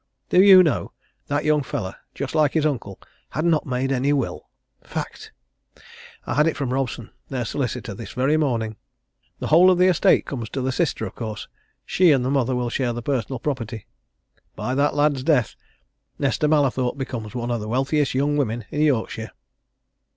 Do you know, that young fellow, just like his uncle, had not made any will! Fact! I had it from Robson, their solicitor, this very morning. The whole of the estate comes to the sister, of course she and the mother will share the personal property. By that lad's death, Nesta Mallathorpe becomes one of the wealthiest young women in Yorkshire!"